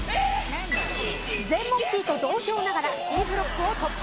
ゼンモンキーと同票ながらＣブロックを突破。